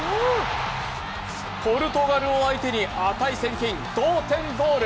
ポルトガルを相手に値千金同点ゴール。